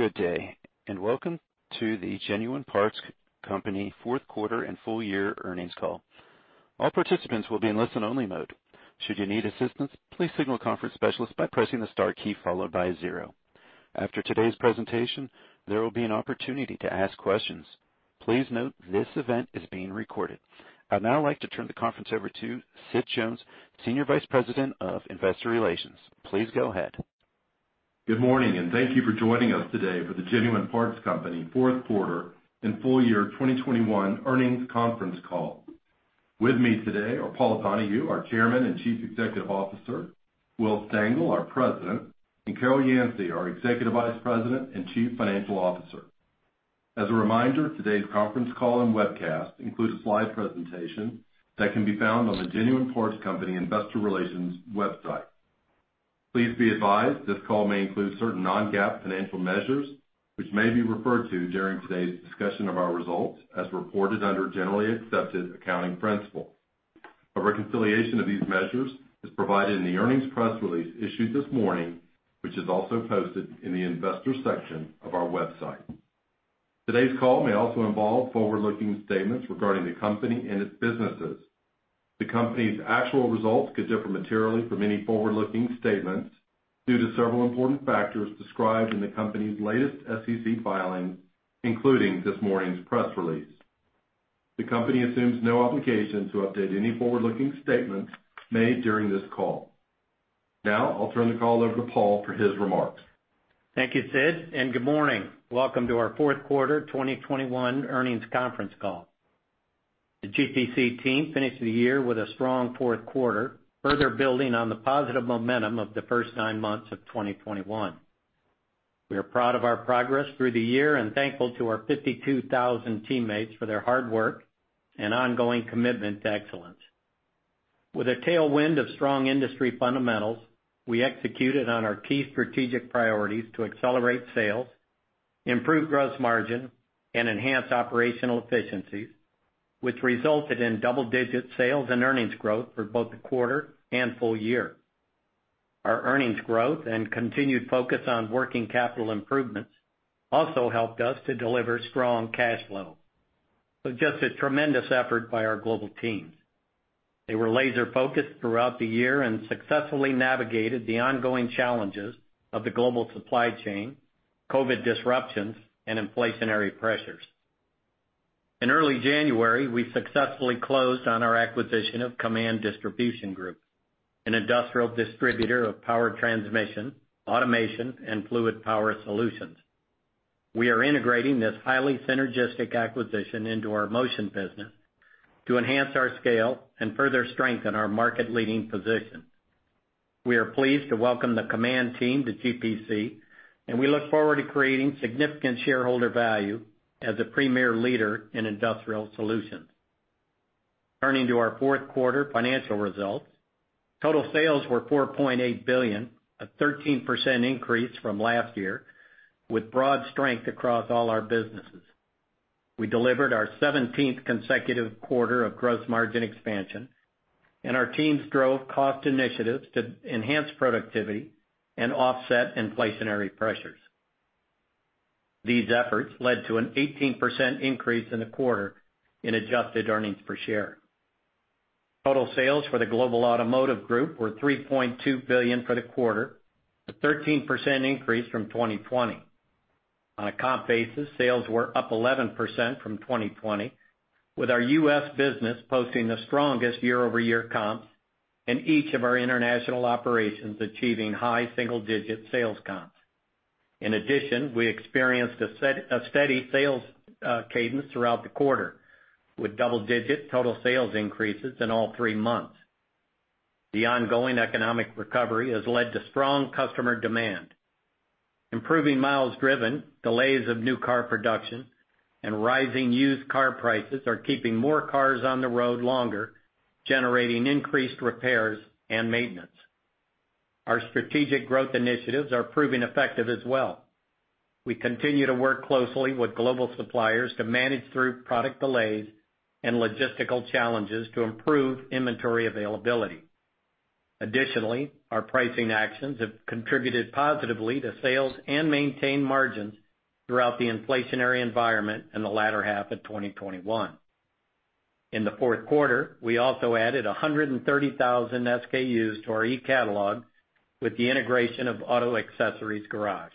Good day, and welcome to the Genuine Parts Company Fourth Quarter and Full Year Earnings Call. All participants will be in listen-only mode. Should you need assistance, please signal the conference specialist by pressing the star key followed by zero. After today's presentation, there will be an opportunity to ask questions. Please note this event is being recorded. I'd now like to turn the conference over to Sid Jones, Senior Vice President of Investor Relations. Please go ahead. Good morning, and thank you for joining us today for the Genuine Parts Company fourth quarter and full year 2021 earnings conference call. With me today are Paul Donahue, our Chairman and Chief Executive Officer, Will Stengel, our President, and Carol Yancey, our Executive Vice President and Chief Financial Officer. As a reminder, today's conference call and webcast includes a slide presentation that can be found on the Genuine Parts Company investor relations website. Please be advised, this call may include certain non-GAAP financial measures which may be referred to during today's discussion of our results as reported under generally accepted accounting principles. A reconciliation of these measures is provided in the earnings press release issued this morning, which is also posted in the investor section of our website. Today's call may also involve forward-looking statements regarding the company and its businesses. The company's actual results could differ materially from any forward-looking statements due to several important factors described in the company's latest SEC filings, including this morning's press release. The company assumes no obligation to update any forward-looking statements made during this call. Now, I'll turn the call over to Paul for his remarks. Thank you, Sid, and good morning. Welcome to our fourth quarter 2021 earnings conference call. The GPC team finished the year with a strong fourth quarter, further building on the positive momentum of the first nine months of 2021. We are proud of our progress through the year and thankful to our 52,000 teammates for their hard work and ongoing commitment to excellence. With a tailwind of strong industry fundamentals, we executed on our key strategic priorities to accelerate sales, improve gross margin, and enhance operational efficiencies, which resulted in double-digit sales and earnings growth for both the quarter and full year. Our earnings growth and continued focus on working capital improvements also helped us to deliver strong cash flow. Just a tremendous effort by our global teams. They were laser-focused throughout the year and successfully navigated the ongoing challenges of the global supply chain, COVID disruptions, and inflationary pressures. In early January, we successfully closed on our acquisition of Kaman Distribution Group, an industrial distributor of power transmission, automation, and fluid power solutions. We are integrating this highly synergistic acquisition into our Motion business to enhance our scale and further strengthen our market-leading position. We are pleased to welcome the Kaman team to GPC, and we look forward to creating significant shareholder value as a premier leader in industrial solutions. Turning to our fourth quarter financial results. Total sales were $4.8 billion, a 13% increase from last year, with broad strength across all our businesses. We delivered our 17th consecutive quarter of gross margin expansion, and our teams drove cost initiatives to enhance productivity and offset inflationary pressures. These efforts led to an 18% increase in the quarter in adjusted earnings per share. Total sales for the Global Automotive Group were $3.2 billion for the quarter, a 13% increase from 2020. On a comp basis, sales were up 11% from 2020, with our U.S. business posting the strongest year-over-year comps in each of our international operations, achieving high single-digit sales comps. In addition, we experienced a steady sales cadence throughout the quarter, with double-digit total sales increases in all three months. The ongoing economic recovery has led to strong customer demand. Improving miles driven, delays of new car production, and rising used car prices are keeping more cars on the road longer, generating increased repairs and maintenance. Our strategic growth initiatives are proving effective as well. We continue to work closely with global suppliers to manage through product delays and logistical challenges to improve inventory availability. Additionally, our pricing actions have contributed positively to sales and maintained margins throughout the inflationary environment in the latter half of 2021. In the fourth quarter, we also added 130,000 SKUs to our e-catalog with the integration of Auto Accessories Garage.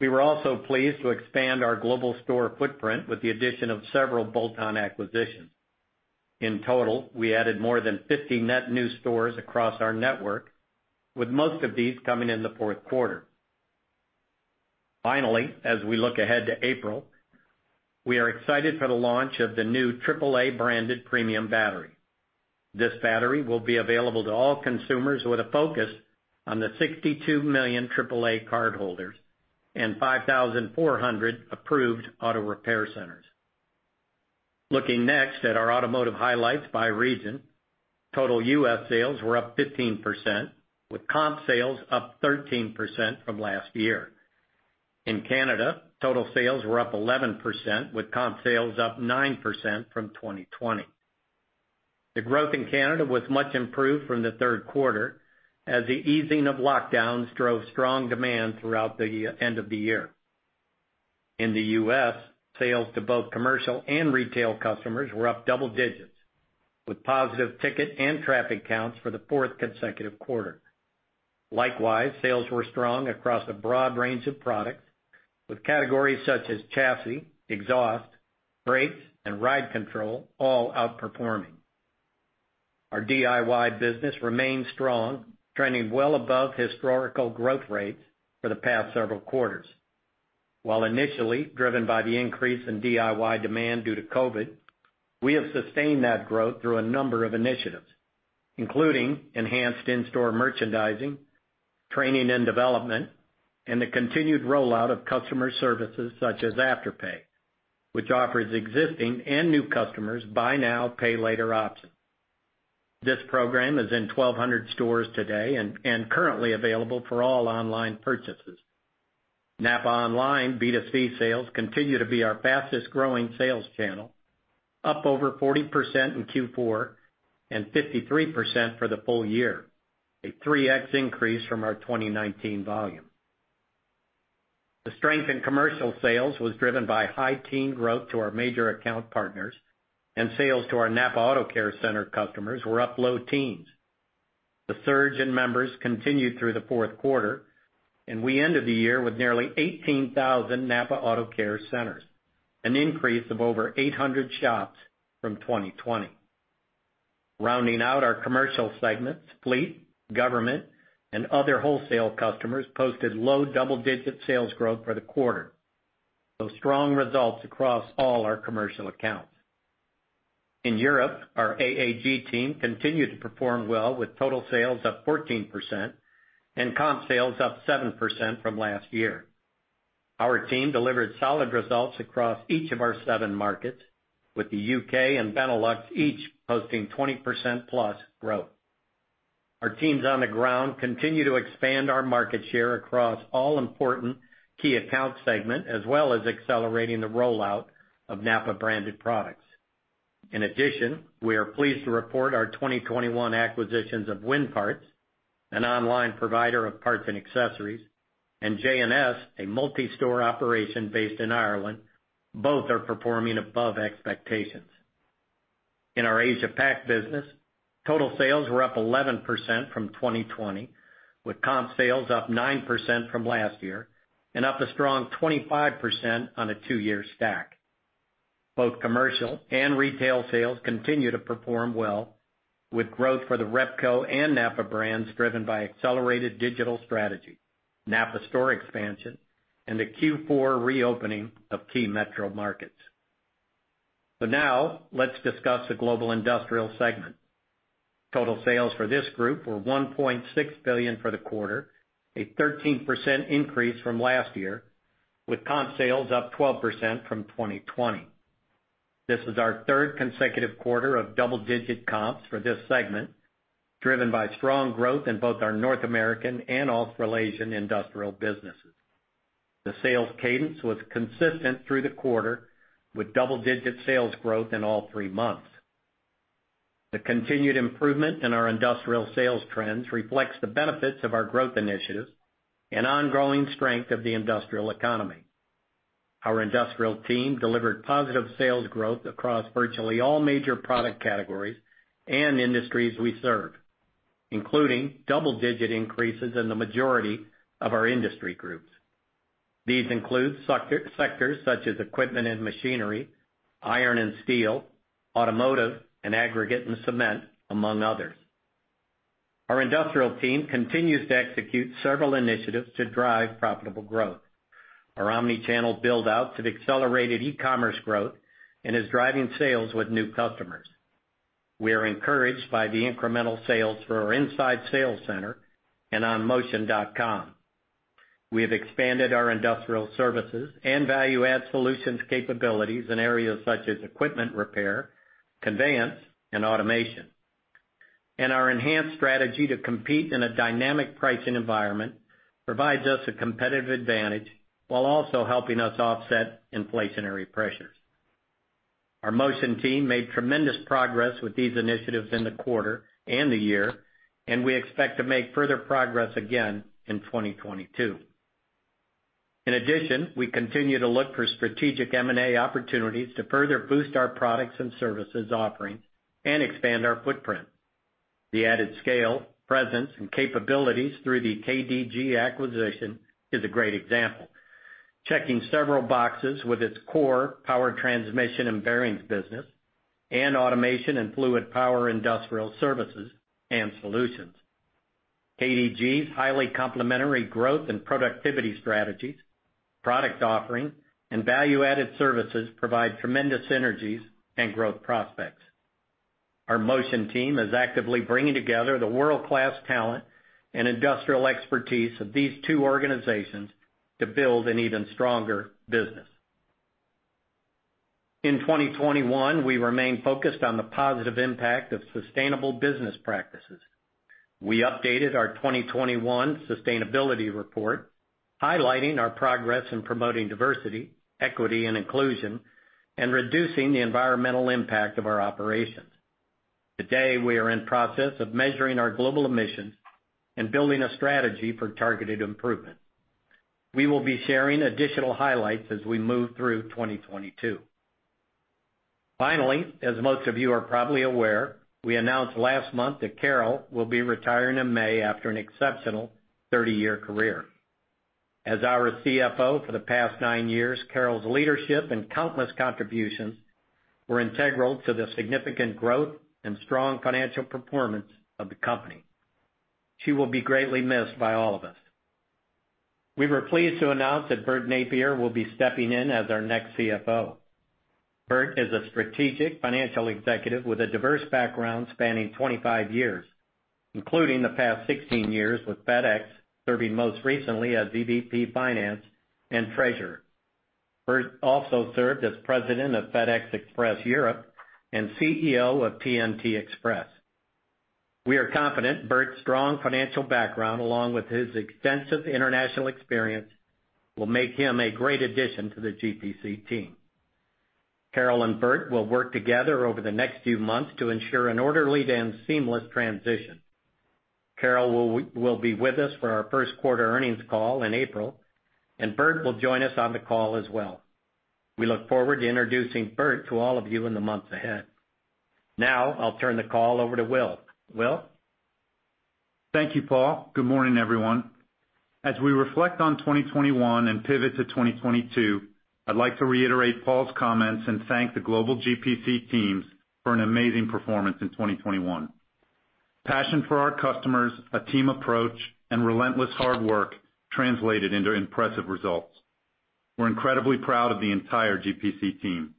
We were also pleased to expand our global store footprint with the addition of several bolt-on acquisitions. In total, we added more than 50 net new stores across our network, with most of these coming in the fourth quarter. Finally, as we look ahead to April, we are excited for the launch of the new AAA-branded premium battery. This battery will be available to all consumers with a focus on the 62 million AAA cardholders and 5,400 approved auto repair centers. Looking next at our automotive highlights by region. Total U.S. sales were up 15%, with comp sales up 13% from last year. In Canada, total sales were up 11%, with comp sales up 9% from 2020. The growth in Canada was much improved from the third quarter as the easing of lockdowns drove strong demand throughout the end of the year. In the U.S., sales to both commercial and retail customers were up double-digits, with positive ticket and traffic counts for the fourth consecutive quarter. Likewise, sales were strong across a broad range of products, with categories such as chassis, exhaust, brakes, and ride control all outperforming. Our DIY business remains strong, trending well above historical growth rates for the past several quarters. While initially driven by the increase in DIY demand due to COVID, we have sustained that growth through a number of initiatives, including enhanced in-store merchandising, training and development, and the continued rollout of customer services such as Afterpay, which offers existing and new customers buy now, pay later options. This program is in 1,200 stores today and currently available for all online purchases. NAPA online B2C sales continue to be our fastest-growing sales channel, up over 40% in Q4 and 53% for the full year, a 3x increase from our 2019 volume. The strength in commercial sales was driven by high-teens growth to our major account partners and sales to our NAPA Auto Care Center customers were up low teens. The surge in members continued through the fourth quarter, and we ended the year with nearly 18,000 NAPA Auto Care Centers, an increase of over 800 shops from 2020. Rounding out our commercial segments, fleet, government, and other wholesale customers posted low double-digit sales growth for the quarter. Strong results across all our commercial accounts. In Europe, our AAG team continued to perform well with total sales up 14% and comp sales up 7% from last year. Our team delivered solid results across each of our seven markets, with the U.K. and Benelux each posting 20%+ growth. Our teams on the ground continue to expand our market share across all important key account segment, as well as accelerating the rollout of NAPA-branded products. In addition, we are pleased to report our 2021 acquisitions of Winparts, an online provider of parts and accessories, and J&S, a multi-store operation based in Ireland. Both are performing above expectations. In our Asia-Pac business, total sales were up 11% from 2020, with comp sales up 9% from last year and up a strong 25% on a two-year stack. Both commercial and retail sales continue to perform well with growth for the Repco and NAPA brands driven by accelerated digital strategy, NAPA store expansion, and the Q4 reopening of key metro markets. Now let's discuss the global industrial segment. Total sales for this group were $1.6 billion for the quarter, a 13% increase from last year, with comp sales up 12% from 2020. This is our third consecutive quarter of double-digit comps for this segment, driven by strong growth in both our North American and Australasian industrial businesses. The sales cadence was consistent through the quarter with double-digit sales growth in all three months. The continued improvement in our industrial sales trends reflects the benefits of our growth initiatives and ongoing strength of the industrial economy. Our industrial team delivered positive sales growth across virtually all major product categories and industries we serve, including double-digit increases in the majority of our industry groups. These include sectors such as equipment and machinery, iron and steel, automotive, and aggregate and cement, among others. Our industrial team continues to execute several initiatives to drive profitable growth. Our omni-channel build-out has accelerated e-commerce growth and is driving sales with new customers. We are encouraged by the incremental sales for our inside sales center and on Motion.com. We have expanded our industrial services and value-added solutions capabilities in areas such as equipment repair, conveyance, and automation. Our enhanced strategy to compete in a dynamic pricing environment provides us a competitive advantage while also helping us offset inflationary pressures. Our Motion team made tremendous progress with these initiatives in the quarter and the year, and we expect to make further progress again in 2022. In addition, we continue to look for strategic M&A opportunities to further boost our products and services offerings and expand our footprint. The added scale, presence, and capabilities through the KDG acquisition is a great example, checking several boxes with its core power transmission and bearings business and automation and fluid power industrial services and solutions. KDG's highly complementary growth and productivity strategies, product offering, and value-added services provide tremendous synergies and growth prospects. Our Motion team is actively bringing together the world-class talent and industrial expertise of these two organizations to build an even stronger business. In 2021, we remained focused on the positive impact of sustainable business practices. We updated our 2021 sustainability report, highlighting our progress in promoting diversity, equity, and inclusion, and reducing the environmental impact of our operations. Today, we are in process of measuring our global emissions and building a strategy for targeted improvement. We will be sharing additional highlights as we move through 2022. Finally, as most of you are probably aware, we announced last month that Carol will be retiring in May after an exceptional 30-year career. As our CFO for the past nine years, Carol's leadership and countless contributions were integral to the significant growth and strong financial performance of the company. She will be greatly missed by all of us. We were pleased to announce that Bert Nappier will be stepping in as our next CFO. Bert is a strategic financial executive with a diverse background spanning 25 years, including the past 16 years with FedEx, serving most recently as EVP Finance and Treasurer. Bert also served as president of FedEx Express Europe and CEO of TNT Express. We are confident Bert's strong financial background, along with his extensive international experience, will make him a great addition to the GPC team. Carol and Bert will work together over the next few months to ensure an orderly and seamless transition. Carol will be with us for our first quarter earnings call in April, and Bert will join us on the call as well. We look forward to introducing Bert to all of you in the months ahead. Now, I'll turn the call over to Will. Will? Thank you, Paul. Good morning, everyone. As we reflect on 2021 and pivot to 2022, I'd like to reiterate Paul's comments and thank the global GPC teams for an amazing performance in 2021. Passion for our customers, a team approach, and relentless hard work translated into impressive results. We're incredibly proud of the entire GPC team.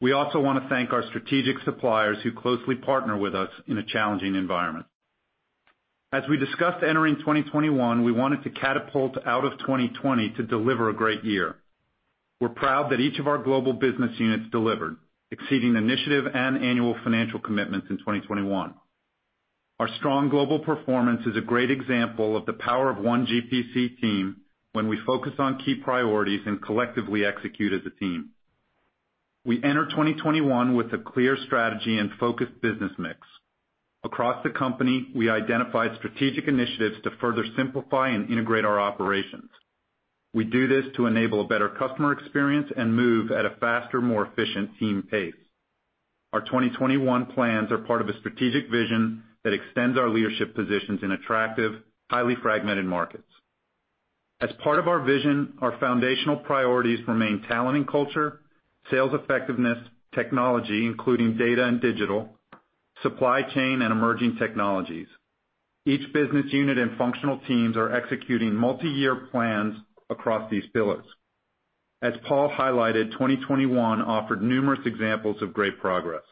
We also wanna thank our strategic suppliers who closely partner with us in a challenging environment. As we discussed entering 2021, we wanted to catapult out of 2020 to deliver a great year. We're proud that each of our global business units delivered, exceeding initiative and annual financial commitments in 2021. Our strong global performance is a great example of the power of one GPC team when we focus on key priorities and collectively execute as a team. We enter 2021 with a clear strategy and focused business mix. Across the company, we identified strategic initiatives to further simplify and integrate our operations. We do this to enable a better customer experience and move at a faster, more efficient team pace. Our 2021 plans are part of a strategic vision that extends our leadership positions in attractive, highly fragmented markets. As part of our vision, our foundational priorities remain talent and culture, sales effectiveness, technology, including data and digital, supply chain, and emerging technologies. Each business unit and functional teams are executing multi-year plans across these pillars. As Paul highlighted, 2021 offered numerous examples of great progress.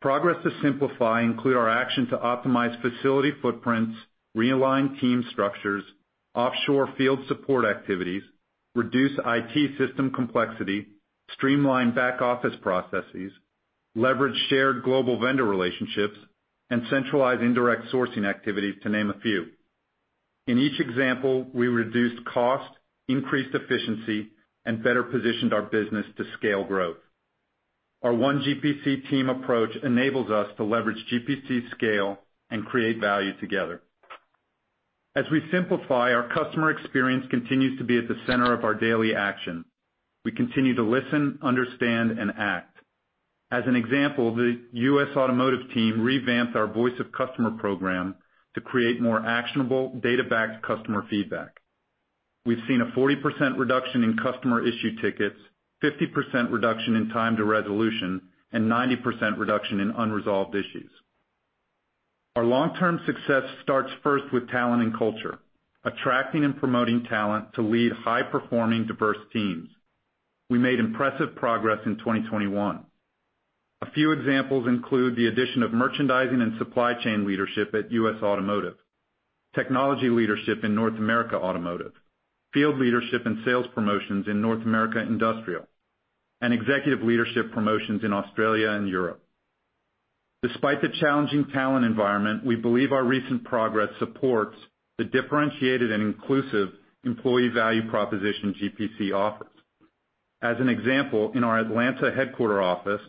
progress to simplify includes our actions to optimize facility footprints, realign team structures, offshore field support activities, reduce IT system complexity, streamline back office processes, leverage shared global vendor relationships, and centralize indirect sourcing activities, to name a few. In each example, we reduced cost, increased efficiency, and better positioned our business to scale growth. Our one GPC team approach enables us to leverage GPC scale and create value together. As we simplify, our customer experience continues to be at the center of our daily action. We continue to listen, understand, and act. As an example, the U.S. automotive team revamped our voice of customer program to create more actionable, data-backed customer feedback. We've seen a 40% reduction in customer issue tickets, 50% reduction in time to resolution, and 90% reduction in unresolved issues. Our long-term success starts first with talent and culture, attracting and promoting talent to lead high-performing diverse teams. We made impressive progress in 2021. A few examples include the addition of merchandising and supply chain leadership at U.S. Automotive, technology leadership in North America Automotive, field leadership and sales promotions in North America Industrial, and executive leadership promotions in Australia and Europe. Despite the challenging talent environment, we believe our recent progress supports the differentiated and inclusive employee value proposition GPC offers. As an example, in our Atlanta headquarters office,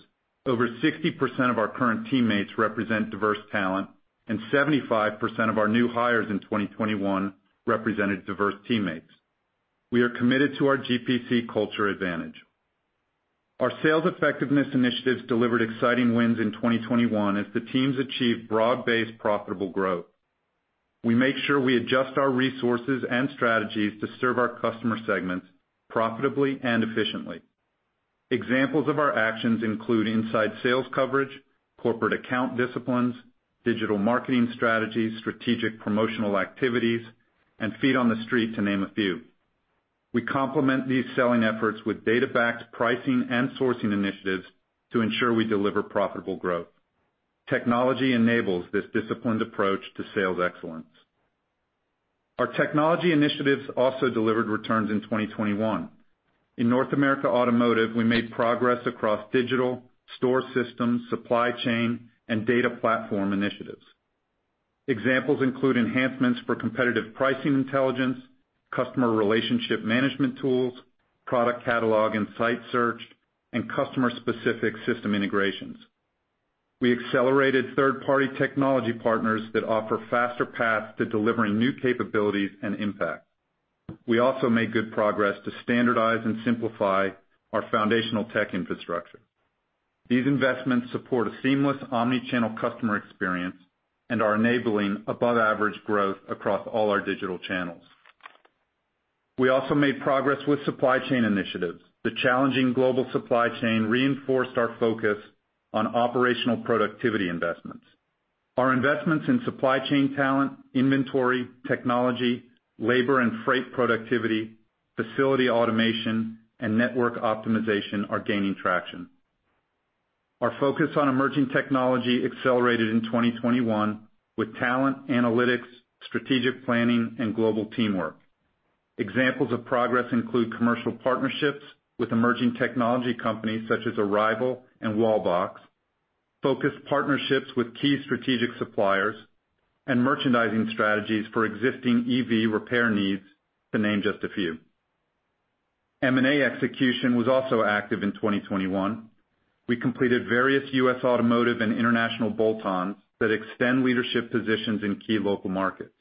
over 60% of our current teammates represent diverse talent, and 75% of our new hires in 2021 represented diverse teammates. We are committed to our GPC culture advantage. Our sales effectiveness initiatives delivered exciting wins in 2021 as the teams achieved broad-based profitable growth. We make sure we adjust our resources and strategies to serve our customer segments profitably and efficiently. Examples of our actions include inside sales coverage, corporate account disciplines, digital marketing strategies, strategic promotional activities, and feet on the street, to name a few. We complement these selling efforts with data-backed pricing and sourcing initiatives to ensure we deliver profitable growth. Technology enables this disciplined approach to sales excellence. Our technology initiatives also delivered returns in 2021. In North America Automotive, we made progress across digital, store systems, supply chain, and data platform initiatives. Examples include enhancements for competitive pricing intelligence, customer relationship management tools, product catalog and site search, and customer-specific system integrations. We accelerated third-party technology partners that offer faster paths to delivering new capabilities and impact. We also made good progress to standardize and simplify our foundational tech infrastructure. These investments support a seamless omni-channel customer experience and are enabling above-average growth across all our digital channels. We also made progress with supply chain initiatives. The challenging global supply chain reinforced our focus on operational productivity investments. Our investments in supply chain talent, inventory, technology, labor and freight productivity, facility automation, and network optimization are gaining traction. Our focus on emerging technology accelerated in 2021 with talent, analytics, strategic planning, and global teamwork. Examples of progress include commercial partnerships with emerging technology companies such as Arrival and Wallbox, focused partnerships with key strategic suppliers, and merchandising strategies for existing EV repair needs, to name just a few. M&A execution was also active in 2021. We completed various U.S. automotive and international bolt-ons that extend leadership positions in key local markets.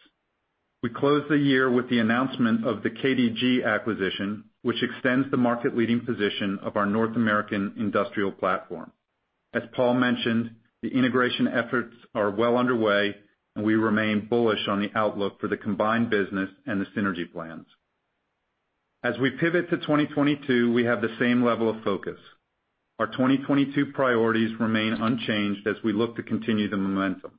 We closed the year with the announcement of the KDG acquisition, which extends the market-leading position of our North American industrial platform. As Paul mentioned, the integration efforts are well underway and we remain bullish on the outlook for the combined business and the synergy plans. As we pivot to 2022, we have the same level of focus. Our 2022 priorities remain unchanged as we look to continue the momentum.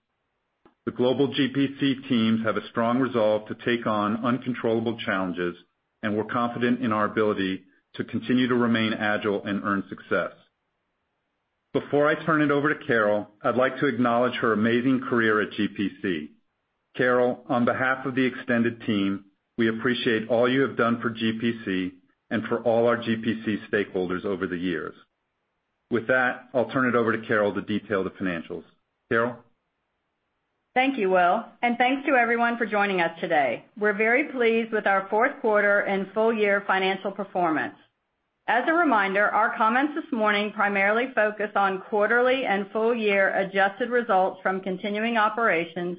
The global GPC teams have a strong resolve to take on uncontrollable challenges, and we're confident in our ability to continue to remain agile and earn success. Before I turn it over to Carol, I'd like to acknowledge her amazing career at GPC. Carol, on be-half of the extended team, we appreciate all you have done for GPC and for all our GPC stakeholders over the years. With that, I'll turn it over to Carol to detail the financials. Carol? Thank you, Will, and thanks to everyone for joining us today. We're very pleased with our fourth quarter and full year financial performance. As a reminder, our comments this morning primarily focus on quarterly and full year adjusted results from continuing operations,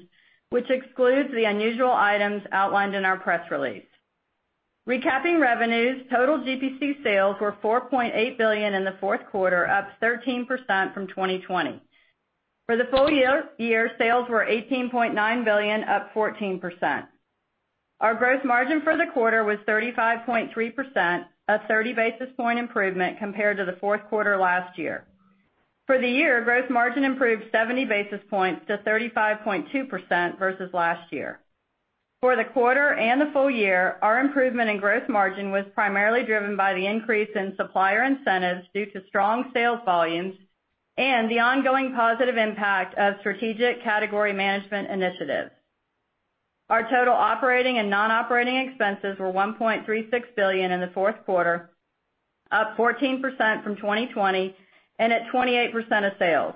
which excludes the unusual items outlined in our press release. Recapping revenues, total GPC sales were $4.8 billion in the fourth quarter, up 13% from 2020. For the full year, sales were $18.9 billion, up 14%. Our gross margin for the quarter was 35.3%, a 30 basis point improvement compared to the fourth quarter last year. For the year, gross margin improved 70 basis points to 35.2% versus last year. For the quarter and the full year, our improvement in gross margin was primarily driven by the increase in supplier incentives due to strong sales volumes and the ongoing positive impact of strategic category management initiatives. Our total operating and non-operating expenses were $1.36 billion in the fourth quarter, up 14% from 2020 and at 28% of sales.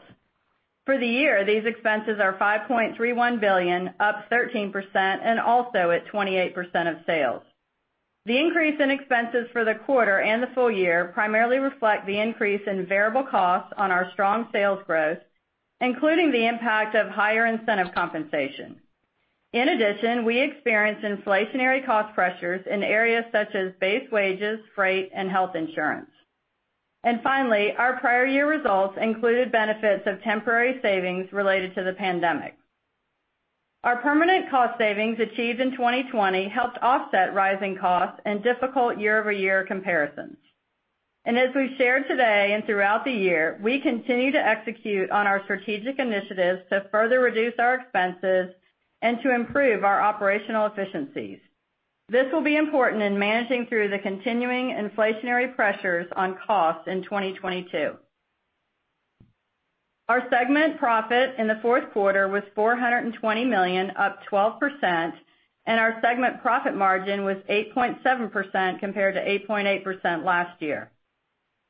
For the year, these expenses are $5.31 billion, up 13%, and also at 28% of sales. The increase in expenses for the quarter and the full year primarily reflect the increase in variable costs on our strong sales growth, including the impact of higher incentive compensation. In addition, we experienced inflationary cost pressures in areas such as base wages, freight, and health insurance. Finally, our prior year results included benefits of temporary savings related to the pandemic. Our permanent cost savings achieved in 2020 helped offset rising costs and difficult year-over-year comparisons. As we've shared today and throughout the year, we continue to execute on our strategic initiatives to further reduce our expenses and to improve our operational efficiencies. This will be important in managing through the continuing inflationary pressures on costs in 2022. Our segment profit in the fourth quarter was $420 million, up 12%, and our segment profit margin was 8.7% compared to 8.8% last year.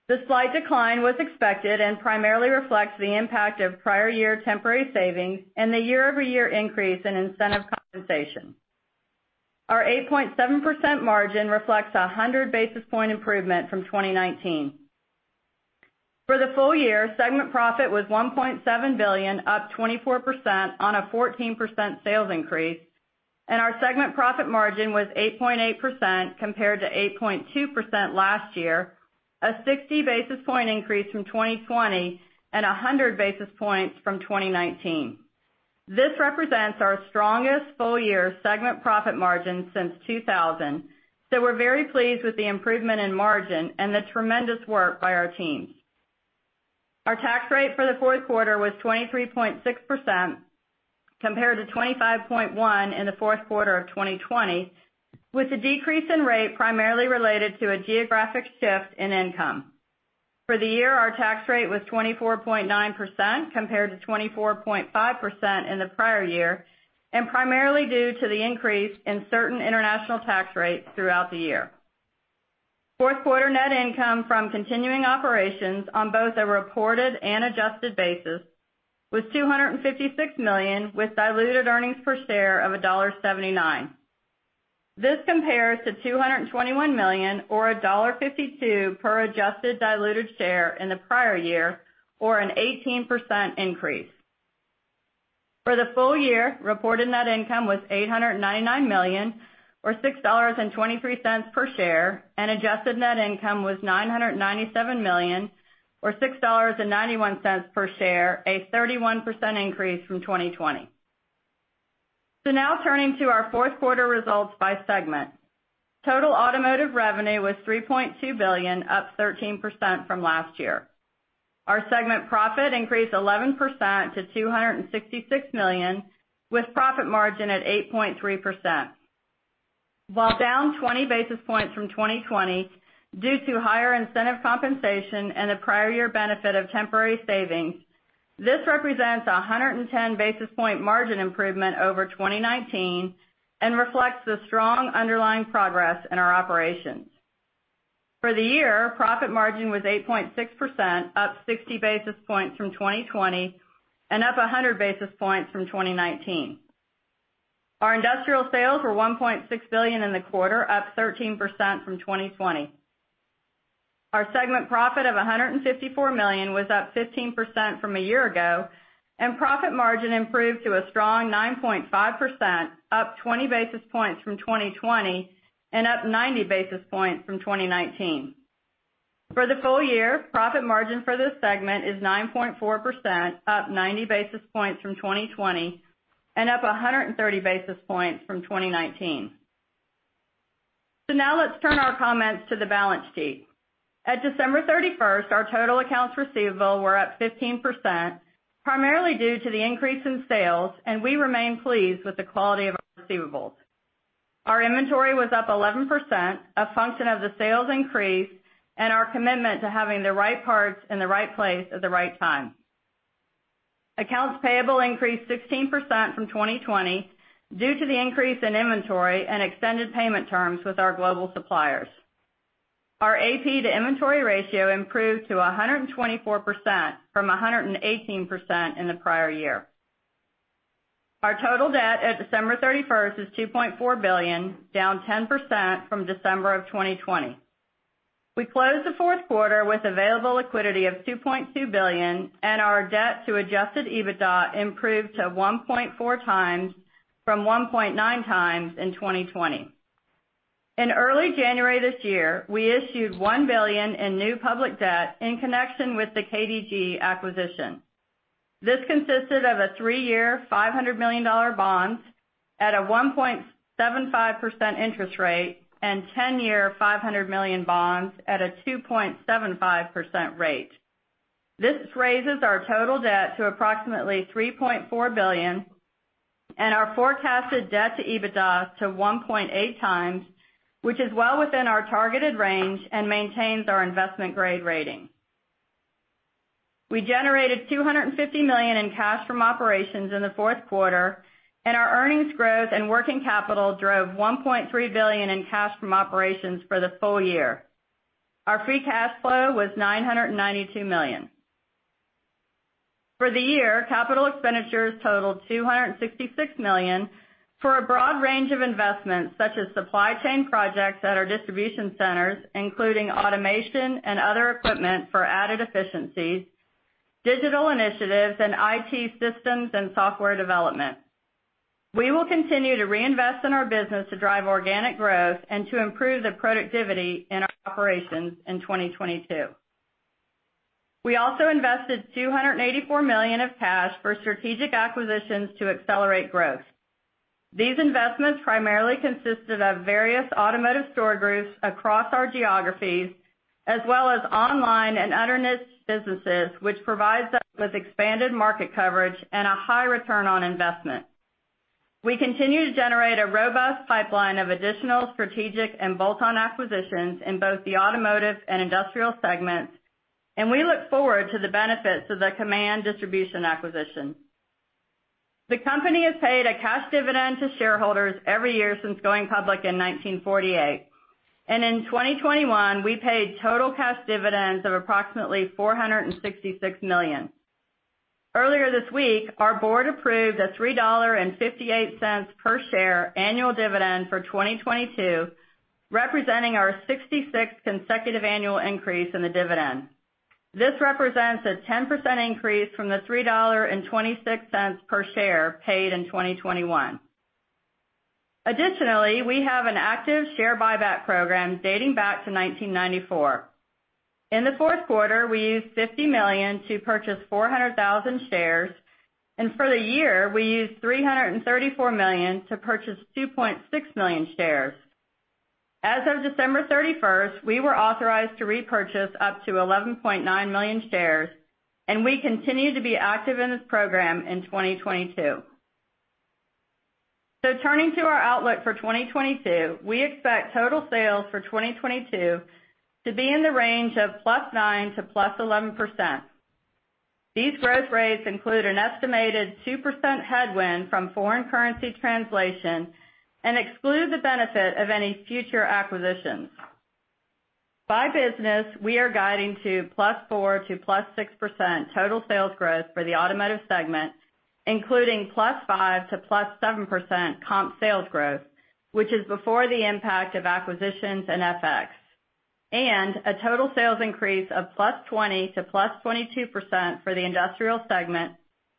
The slight decline was expected and primarily reflects the impact of prior year temporary savings and the year-over-year increase in incentive compensation. Our 8.7% margin reflects a 100 basis point improvement from 2019. For the full year, segment profit was $1.7 billion, up 24% on a 14% sales increase, and our segment profit margin was 8.8% compared to 8.2% last year, a 60 basis point increase from 2020 and 100 basis points from 2019. This represents our strongest full-year segment profit margin since 2000. We're very pleased with the improvement in margin and the tremendous work by our teams. Our tax rate for the fourth quarter was 23.6% compared to 25.1% in the fourth quarter of 2020, with the decrease in rate primarily related to a geographic shift in income. For the year, our tax rate was 24.9% compared to 24.5% in the prior year, and primarily due to the increase in certain international tax rates throughout the year. Fourth quarter net income from continuing operations on both a reported and adjusted basis was $256 million with diluted earnings per share of $1.79. This compares to $221 million or $1.52 per adjusted diluted share in the prior year, or an 18% increase. For the full year, reported net income was $899 million or $6.23 per share, and adjusted net income was $997 million or $6.91 per share, a 31% increase from 2020. Now turning to our fourth quarter results by segment. Total automotive revenue was $3.2 billion, up 13% from last year. Our segment profit increased 11% to $266 million, with profit margin at 8.3%. While down 20 basis points from 2020 due to higher incentive compensation and the prior year benefit of temporary savings, this represents a 110 basis point margin improvement over 2019 and reflects the strong underlying progress in our operations. For the year, profit margin was 8.6%, up 60 basis points from 2020 and up 100 basis points from 2019. Our industrial sales were $1.6 billion in the quarter, up 13% from 2020. Our segment profit of $154 million was up 15% from a year ago, and profit margin improved to a strong 9.5%, up 20 basis points from 2020 and up 90 basis points from 2019. For the full year, profit margin for this segment is 9.4%, up 90 basis points from 2020 and up 130 basis points from 2019. Now let's turn our comments to the balance sheet. At December 31, our total accounts receivable were up 15%, primarily due to the increase in sales, and we remain pleased with the quality of our receivables. Our inventory was up 11%, a function of the sales increase and our commitment to having the right parts in the right place at the right time. Accounts payable increased 16% from 2020 due to the increase in inventory and extended payment terms with our global suppliers. Our AP to inventory ratio improved to 124% from 118% in the prior year. Our total debt at December 31 is $2.4 billion, down 10% from December of 2020. We closed the fourth quarter with available liquidity of $2.2 billion, and our debt to adjusted EBITDA improved to 1.4x from 1.9x in 2020. In early January this year, we issued $1 billion in new public debt in connection with the KDG acquisition. This consisted of a 3-year, $500 million bonds at a 1.75% interest rate and 10-year, $500 million bonds at a 2.75% rate. This raises our total debt to approximately $3.4 billion and our forecasted debt to EBITDA to 1.8x, which is well within our targeted range and maintains our investment grade rating. We generated $250 million in cash from operations in the fourth quarter, and our earnings growth and working capital drove $1.3 billion in cash from operations for the full year. Our free cash flow was $992 million. For the year, capital expenditures totaled $266 million for a broad range of investments such as supply chain projects at our distribution centers, including automation and other equipment for added efficiencies, digital initiatives and IT systems and software development. We will continue to reinvest in our business to drive organic growth and to improve the productivity in our operations in 2022. We also invested $284 million of cash for strategic acquisitions to accelerate growth. These investments primarily consisted of various automotive store groups across our geographies, as well as online and other niche businesses, which provides us with expanded market coverage and a high return on investment. We continue to generate a robust pipeline of additional strategic and bolt-on acquisitions in both the automotive and industrial segments, and we look forward to the benefits of the Kaman distribution acquisition. The company has paid a cash dividend to shareholders every year since going public in 1948. In 2021, we paid total cash dividends of approximately $466 million. Earlier this week, our board approved a $3.58 per share annual dividend for 2022, representing our 66th consecutive annual increase in the dividend. This represents a 10% increase from the $3.26 per share paid in 2021. Additionally, we have an active share buyback program dating back to 1994. In the fourth quarter, we used $50 million to purchase 400,000 shares, and for the year, we used $334 million to purchase 2.6 million shares. As of December 31, we were authorized to repurchase up to 11.9 million shares, and we continue to be active in this program in 2022. Turning to our outlook for 2022, we expect total sales for 2022 to be in the range of +9% to +11%. These growth rates include an estimated 2% headwind from foreign currency translation and exclude the benefit of any future acquisitions. By business, we are guiding to +4% to +6% total sales growth for the automotive segment, including +5% to +7% comp sales growth, which is before the impact of acquisitions and FX, and a total sales increase of +20% to +22% for the industrial segment,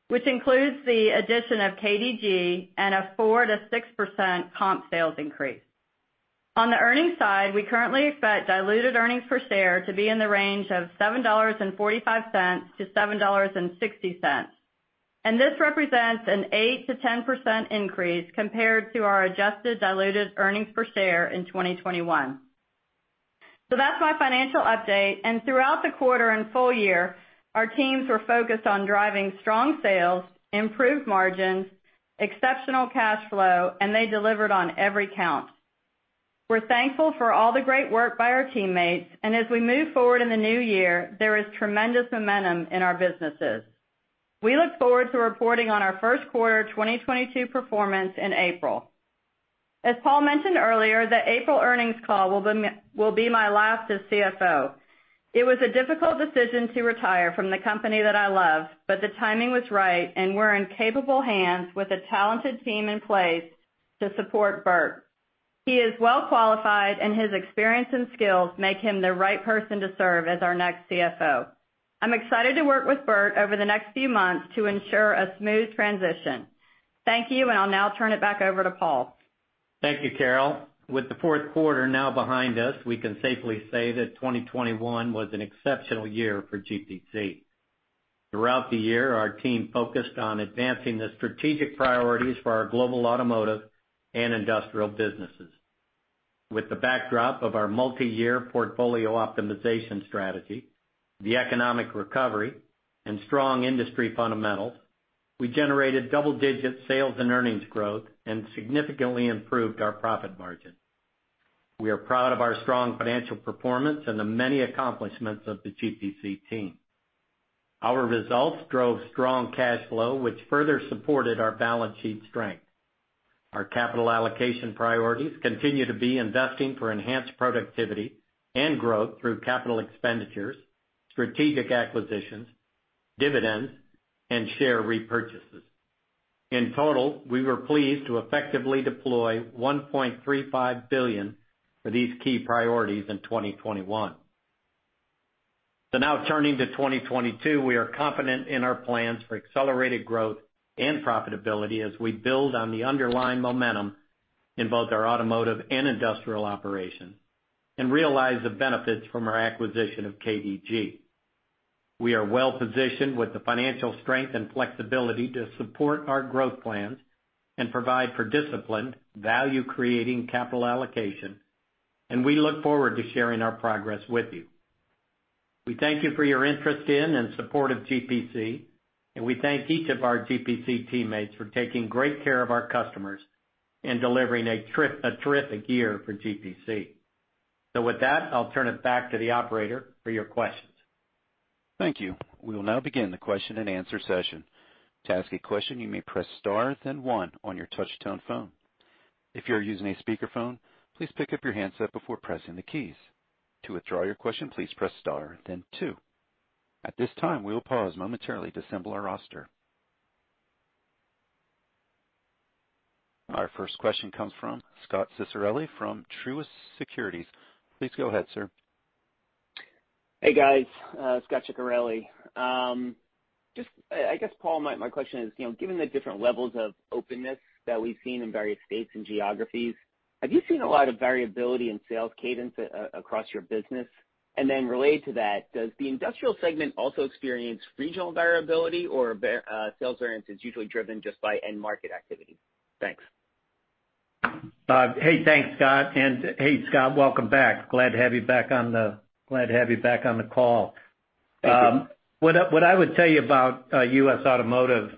which includes the addition of KDG and a 4%-6% comp sales increase. On the earnings side, we currently expect diluted earnings per share to be in the range of $7.45-$7.60, and this represents an 8%-10% increase compared to our adjusted diluted earnings per share in 2021. That's my financial update. Throughout the quarter and full year, our teams were focused on driving strong sales, improved margins, exceptional cash flow, and they delivered on every count. We're thankful for all the great work by our teammates, and as we move forward in the new year, there is tremendous momentum in our businesses. We look forward to reporting on our first quarter 2022 performance in April. As Paul mentioned earlier, the April earnings call will be my last as CFO. It was a difficult decision to retire from the company that I love, but the timing was right, and we're in capable hands with a talented team in place to support Bert. He is well qualified, and his experience and skills make him the right person to serve as our next CFO. I'm excited to work with Bert over the next few months to ensure a smooth transition. Thank you, and I'll now turn it back over to Paul. Thank you, Carol. With the fourth quarter now behind us, we can safely say that 2021 was an exceptional year for GPC. Throughout the year, our team focused on advancing the strategic priorities for our global automotive and industrial businesses. With the backdrop of our multiyear portfolio optimization strategy, the economic recovery and strong industry fundamentals, we generated double-digit sales and earnings growth and significantly improved our profit margin. We are proud of our strong financial performance and the many accomplishments of the GPC team. Our results drove strong cash flow, which further supported our balance sheet strength. Our capital allocation priorities continue to be investing for enhanced productivity and growth through capital expenditures, strategic acquisitions, dividends, and share repurchases. In total, we were pleased to effectively deploy $1.35 billion for these key priorities in 2021. Now turning to 2022, we are confident in our plans for accelerated growth and profitability as we build on the underlying momentum in both our automotive and industrial operations and realize the benefits from our acquisition of KDG. We are well positioned with the financial strength and flexibility to support our growth plans and provide for disciplined, value-creating capital allocation, and we look forward to sharing our progress with you. We thank you for your interest in and support of GPC, and we thank each of our GPC teammates for taking great care of our customers and delivering a terrific year for GPC. With that, I'll turn it back to the operator for your questions. Thank you. We will now begin the question-and-answer session. To ask a question, you may press star then one on your touch-tone phone. If you're using a speakerphone, please pick up your handset before pressing the keys. To withdraw your question, please press star then two. At this time, we will pause momentarily to assemble our roster. Our first question comes from Scot Ciccarelli from Truist Securities. Please go ahead, sir. Hey, guys. Scot Ciccarelli. Just, I guess, Paul, my question is, you know, given the different levels of openness that we've seen in various states and geographies, have you seen a lot of variability in sales cadence across your business? Related to that, does the industrial segment also experience regional variability, or sales variance is usually driven just by end market activity? Thanks. Hey, thanks, Scot. Hey, Scot, welcome back. Glad to have you back on the call. Thank you. What I would tell you about U.S. automotive,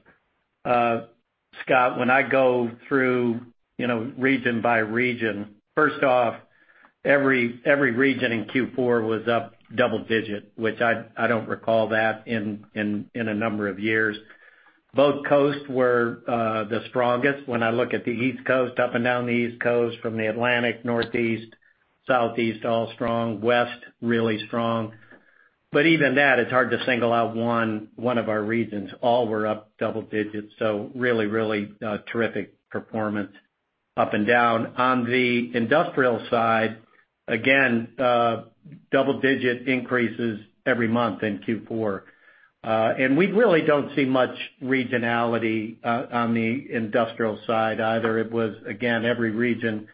Scot, when I go through, you know, region by region, first off, every region in Q4 was up double-digit, which I don't recall that in a number of years. Both coasts were the strongest. When I look at the East Coast, up and down the East Coast from the Atlantic, Northeast, Southeast, all strong. West, really strong. But even that, it's hard to single out one of our regions. All were up double-digits, so really terrific performance up and down. On the industrial side, again double-digit increases every month in Q4. And we really don't see much regionality on the industrial side either. It was again every region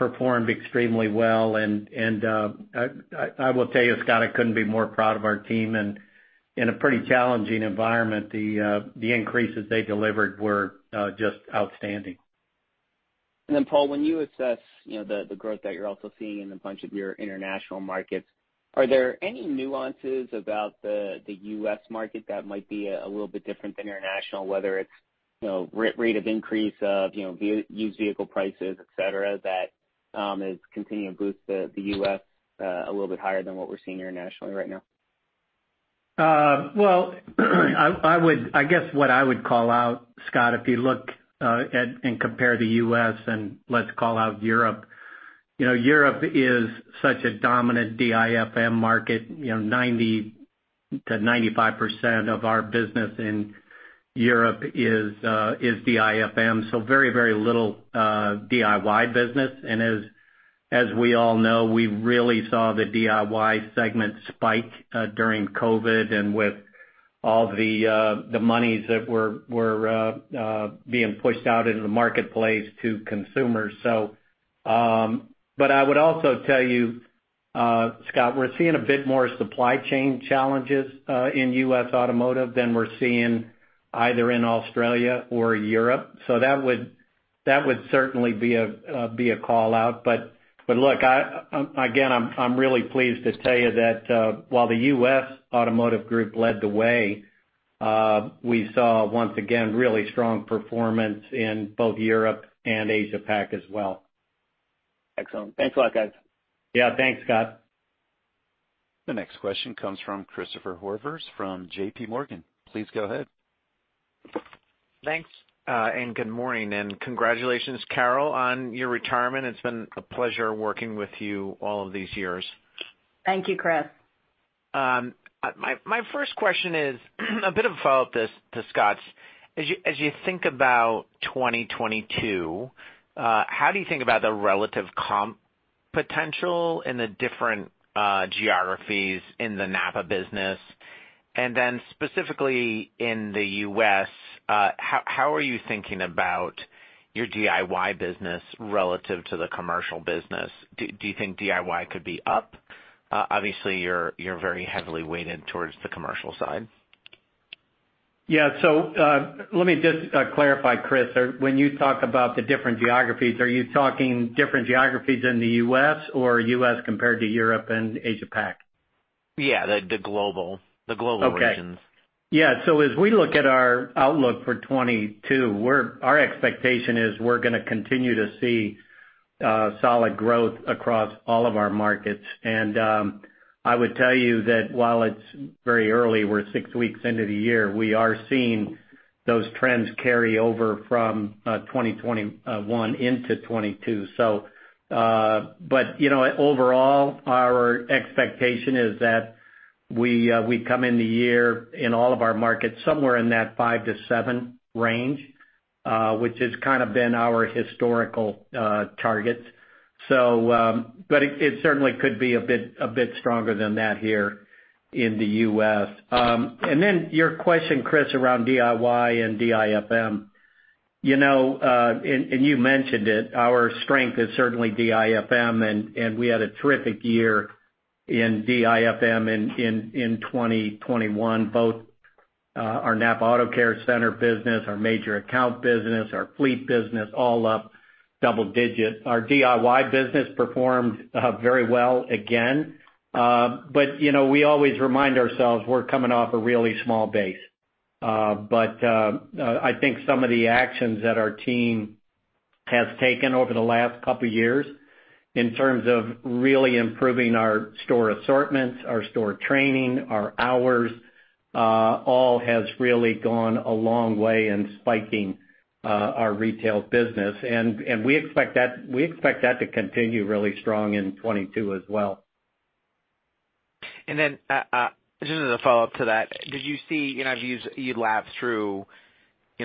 performed extremely well. I will tell you, Scot, I couldn't be more proud of our team. In a pretty challenging environment, the increases they delivered were just outstanding. Paul, when you assess, you know, the growth that you're also seeing in a bunch of your international markets, are there any nuances about the U.S. market that might be a little bit different than international, whether it's, you know, rate of increase of used vehicle prices, et cetera, that is continuing to boost the U.S. a little bit higher than what we're seeing internationally right now? I guess what I would call out, Scot, if you look at and compare the U.S. and let's call out Europe, you know, Europe is such a dominant DIFM market. You know, 90%-95% of our business in Europe is DIFM, so very, very little DIY business. As we all know, we really saw the DIY segment spike during COVID and with all the monies that were being pushed out into the marketplace to consumers. I would also tell you, Scot, we're seeing a bit more supply chain challenges in U.S. automotive than we're seeing either in Australia or Europe. That would certainly be a call-out. Look, I'm really pleased to tell you that while the U.S. Automotive Group led the way, we saw once again really strong performance in both Europe and Asia-Pac as well. Excellent. Thanks a lot, guys. Yeah, thanks, Scot. The next question comes from Christopher Horvers from JPMorgan. Please go ahead. Thanks, and good morning, and congratulations, Carol, on your retirement. It's been a pleasure working with you all of these years. Thank you, Chris. My first question is a bit of a follow-up to Scot's. As you think about 2022, how do you think about the relative comp potential in the different geographies in the NAPA business? And then specifically in the U.S., how are you thinking about your DIY business relative to the commercial business? Do you think DIY could be up? Obviously, you're very heavily weighted towards the commercial side. Yeah. Let me just clarify, Chris. When you talk about the different geographies, are you talking different geographies in the U.S. or U.S. compared to Europe and Asia-Pac? Yeah, the global regions. Okay. Yeah. As we look at our outlook for 2022, our expectation is we're gonna continue to see solid growth across all of our markets. I would tell you that while it's very early, we're six weeks into the year, we are seeing those trends carry over from 2021 into 2022. You know, overall, our expectation is that we come in the year in all of our markets somewhere in that five-seven range, which has kind of been our historical targets. It certainly could be a bit stronger than that here in the U.S. Your question, Chris, around DIY and DIFM. You know, and you mentioned it, our strength is certainly DIFM, and we had a terrific year in DIFM in 2021, both our NAPA Auto Care Center business, our major account business, our fleet business, all up double-digit. Our DIY business performed very well again. You know, we always remind ourselves we're coming off a really small base. I think some of the actions that our team has taken over the last couple years in terms of really improving our store assortments, our store training, our hours, all has really gone a long way in spiking our retail business. We expect that to continue really strong in 2022 as well. Then, just as a follow-up to that, did you see, you know, as you lapped through, you know,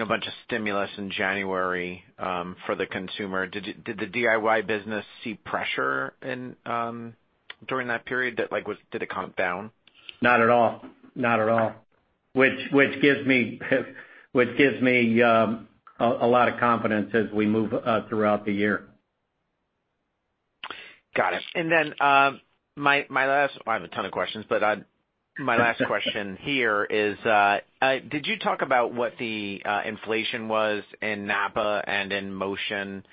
a bunch of stimulus in January for the consumer, did the DIY business see pressure during that period? Did it, like, come down? Not at all. Which gives me a lot of confidence as we move throughout the year. Got it. I have a ton of questions, but my last question here is, did you talk about what the inflation was in NAPA and in Motion,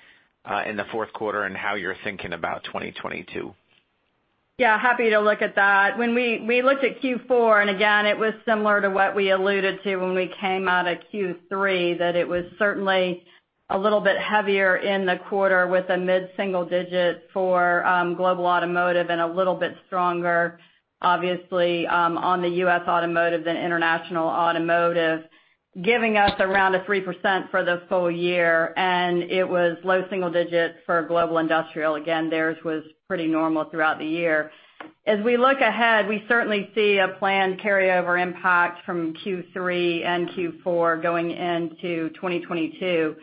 in the fourth quarter and how you're thinking about 2022? Yeah, happy to look at that. When we looked at Q4, and again, it was similar to what we alluded to when we came out of Q3, that it was certainly a little bit heavier in the quarter with a mid-single-digit for Global Automotive and a little bit stronger, obviously, on the U.S. automotive than international automotive, giving us around a 3% for the full year. It was low single-digits for Global Industrial. Again, theirs was pretty normal throughout the year. As we look ahead, we certainly see a planned carryover impact from Q3 and Q4 going into 2022.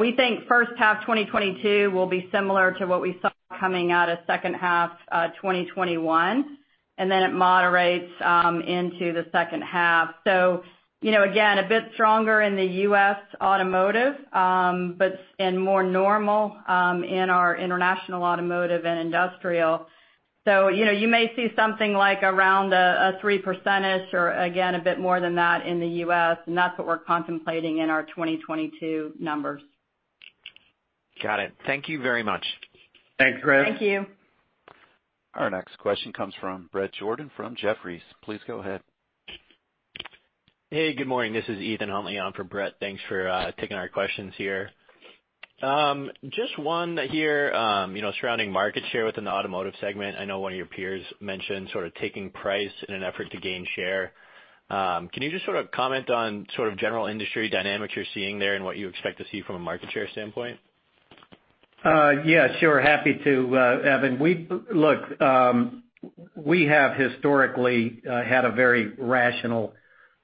We think first half 2022 will be similar to what we saw coming out of second half 2021, and then it moderates into the second half. You know, again, a bit stronger in the U.S. automotive, but and more normal in our international automotive and industrial. You know, you may see something like around a 3% or again, a bit more than that in the U.S., and that's what we're contemplating in our 2022 numbers. Got it. Thank you very much. Thanks, Chris. Thank you. Our next question comes from Brett Jordan from Jefferies. Please go ahead. Hey, good morning. This is Ethan Huntley on for Brett. Thanks for taking our questions here. Just one here, you know, surrounding market share within the automotive segment. I know one of your peers mentioned sort of taking price in an effort to gain share. Can you just sort of comment on sort of general industry dynamics you're seeing there and what you expect to see from a market share standpoint? Yeah, sure. Happy to, Ethan. Look, we have historically had a very rational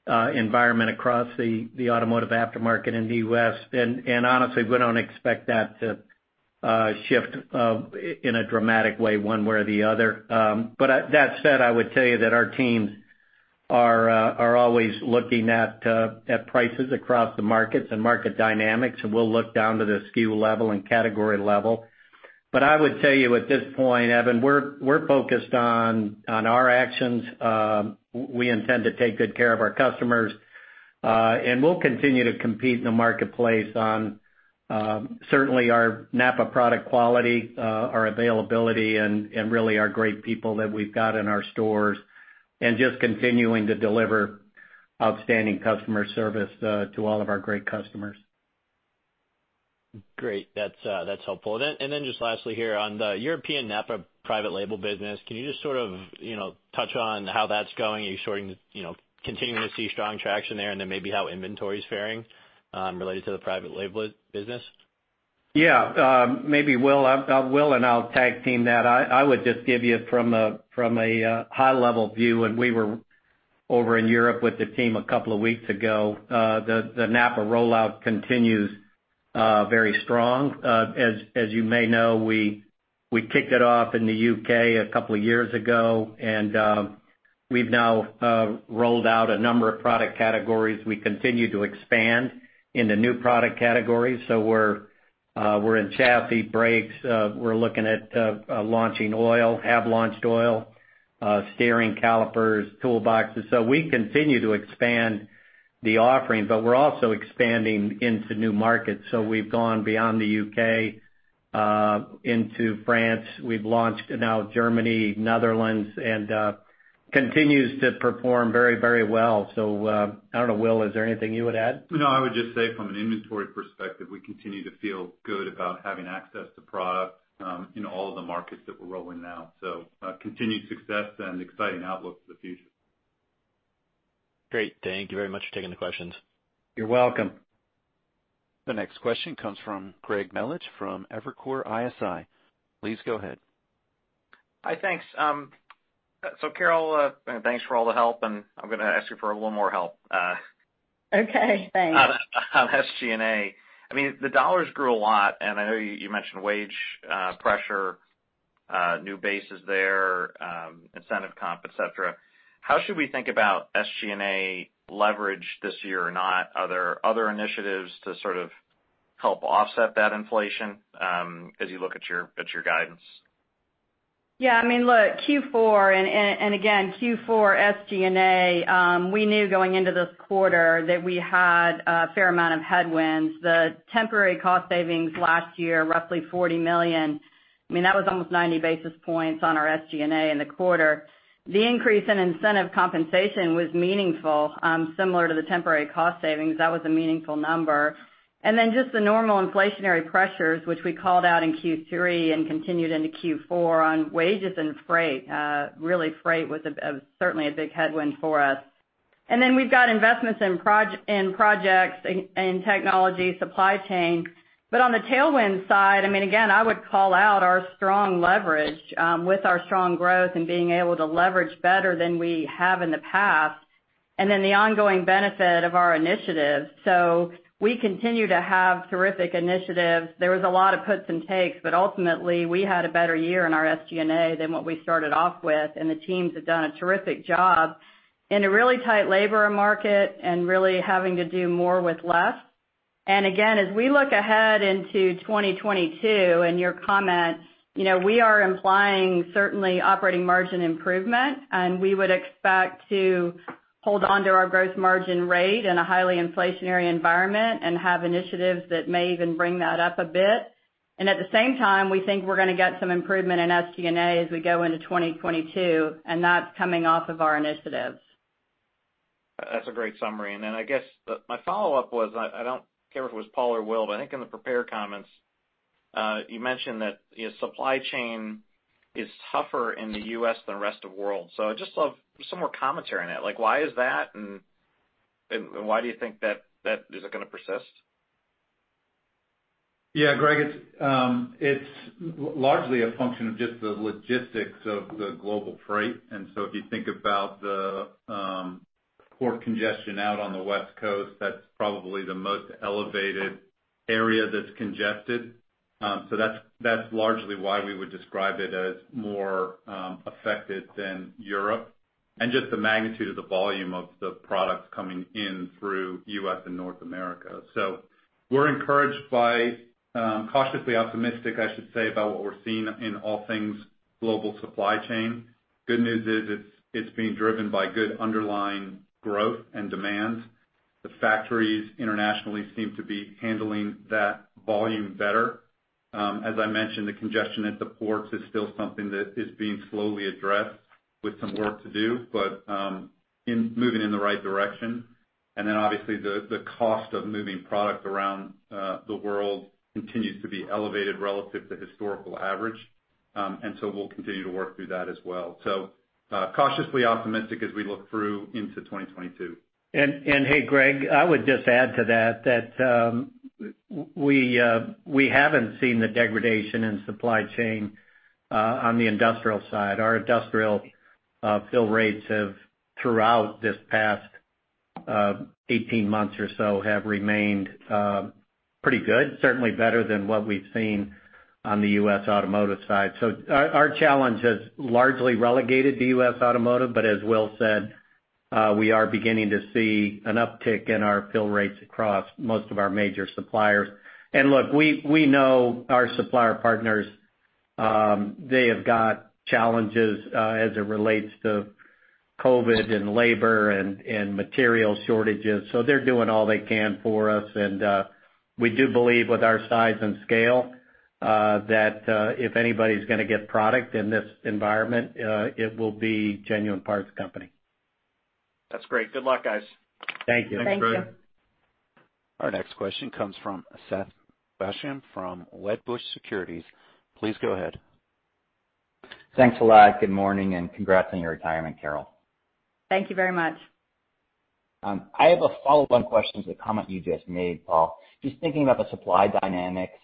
environment across the automotive aftermarket in the U.S. Honestly, we don't expect that to shift in a dramatic way one way or the other. But that said, I would tell you that our teams are always looking at prices across the markets and market dynamics, and we'll look down to the SKU level and category level. I would tell you at this point, Ethan, we're focused on our actions. We intend to take good care of our customers, and we'll continue to compete in the marketplace on, certainly our NAPA product quality, our availability and really our great people that we've got in our stores, and just continuing to deliver outstanding customer service to all of our great customers. Great. That's helpful. Just lastly here on the European NAPA private label business, can you just sort of, you know, touch on how that's going? Are you continuing to see strong traction there, and then maybe how inventory is faring, related to the private label business? Yeah. Maybe Will. Will and I will tag team that. I would just give you from a high level view, and we were over in Europe with the team a couple of weeks ago. The NAPA rollout continues very strong. As you may know, we kicked it off in the U.K. a couple years ago, and we've now rolled out a number of product categories. We continue to expand into new product categories. We're in chassis, brakes. We have launched oil, steering calipers, toolboxes. We continue to expand the offering, but we're also expanding into new markets. We've gone beyond the U.K. into France. We've launched in Germany and the Netherlands. It continues to perform very, very well. I don't know, Will, is there anything you would add? No, I would just say from an inventory perspective, we continue to feel good about having access to product, in all of the markets that we're rolling out. Continued success and exciting outlook for the future. Great. Thank you very much for taking the questions. You're welcome. The next question comes from Greg Melich from Evercore ISI. Please go ahead. Hi. Thanks. Carol, thanks for all the help, and I'm gonna ask you for a little more help. Okay. Thanks On SG&A. I mean, the dollars grew a lot, and I know you mentioned wage pressure, new bases there, incentive comp, et cetera. How should we think about SG&A leverage this year or not? Are there other initiatives to sort of help offset that inflation, as you look at your guidance? Yeah. I mean, look, Q4, and again, Q4 SG&A, we knew going into this quarter that we had a fair amount of headwinds. The temporary cost savings last year, roughly $40 million, I mean, that was almost 90 basis points on our SG&A in the quarter. The increase in incentive compensation was meaningful, similar to the temporary cost savings. That was a meaningful number. Then just the normal inflationary pressures, which we called out in Q3 and continued into Q4 on wages and freight. Really, freight was certainly a big headwind for us. Then we've got investments in projects, in technology, supply chain. On the tailwind side, I mean, again, I would call out our strong leverage with our strong growth and being able to leverage better than we have in the past, and then the ongoing benefit of our initiatives. We continue to have terrific initiatives. There was a lot of puts and takes, but ultimately, we had a better year in our SG&A than what we started off with, and the teams have done a terrific job in a really tight labor market and really having to do more with less. Again, as we look ahead into 2022 and your comment, you know, we are implying certainly operating margin improvement, and we would expect to hold on to our gross margin rate in a highly inflationary environment and have initiatives that may even bring that up a bit. At the same time, we think we're gonna get some improvement in SG&A as we go into 2022, and that's coming off of our initiatives. That's a great summary. I guess my follow-up was, I don't care if it was Paul or Will, but I think in the prepared comments, you mentioned that your supply chain is tougher in the U.S. than the rest of world. I'd just love some more commentary on that. Like, why is that, and why do you think that is it gonna persist? Yeah, Greg. It's largely a function of just the logistics of the global freight. If you think about the port congestion out on the West Coast, that's probably the most elevated area that's congested. That's largely why we would describe it as more affected than Europe. Just the magnitude of the volume of the products coming in through U.S. and North America. We're cautiously optimistic, I should say, about what we're seeing in all things global supply chain. Good news is, it's being driven by good underlying growth and demand. The factories internationally seem to be handling that volume better. As I mentioned, the congestion at the ports is still something that is being slowly addressed with some work to do, but moving in the right direction. Obviously the cost of moving product around the world continues to be elevated relative to historical average. We'll continue to work through that as well. Cautiously optimistic as we look through into 2022. Hey, Greg, I would just add to that. We haven't seen the degradation in supply chain on the industrial side. Our industrial fill rates have, throughout this past 18 months or so, remained pretty good, certainly better than what we've seen on the U.S. automotive side. Our challenge has largely related to U.S. automotive, but as Will said, we are beginning to see an uptick in our fill rates across most of our major suppliers. Look, we know our supplier partners. They have got challenges as it relates to COVID and labor and material shortages, so they're doing all they can for us. We do believe with our size and scale that if anybody's gonna get product in this environment, it will be Genuine Parts Company. That's great. Good luck, guys. Thank you. Thanks, Greg. Our next question comes from Seth Basham from Wedbush Securities. Please go ahead. Thanks a lot. Good morning, and congrats on your retirement, Carol. Thank you very much. I have a follow-up question to the comment you just made, Paul. Just thinking about the supply dynamics,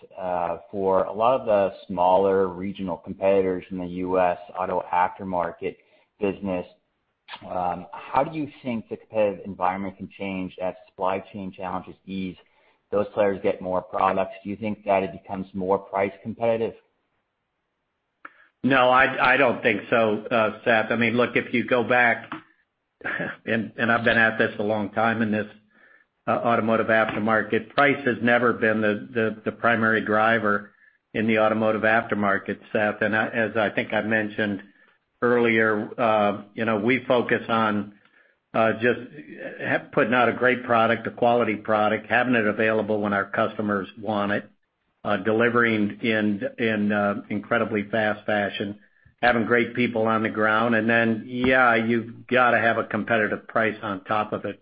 for a lot of the smaller regional competitors in the U.S. auto aftermarket business, how do you think the competitive environment can change as supply chain challenges ease, those players get more products? Do you think that it becomes more price competitive? No, I don't think so, Seth. I mean, look, if you go back, and I've been at this a long time in this automotive aftermarket, price has never been the primary driver in the automotive aftermarket, Seth. I as I think I mentioned earlier, you know, we focus on just putting out a great product, a quality product, having it available when our customers want it, delivering in incredibly fast fashion, having great people on the ground. Yeah, you've got to have a competitive price on top of it.